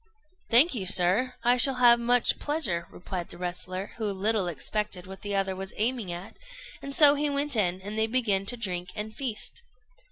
] "Thank you, sir, I shall have much pleasure," replied the wrestler, who little expected what the other was aiming at; and so he went in, and they began to drink and feast.